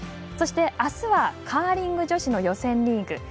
そして、あすはカーリング女子の予選リーグ。